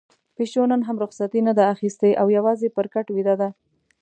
پيشو نن هم رخصتي نه ده اخیستې او يوازې پر کټ ويده ده.